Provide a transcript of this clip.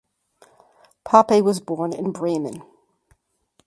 Pape was born in Bremen.